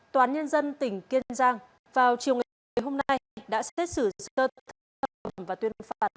toán nhân dân tỉnh kiên giang vào chiều ngày hôm nay đã xét xử sự thất vọng và tuyên pháp